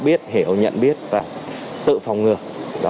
tự biết hiểu nhận biết và tự phòng ngược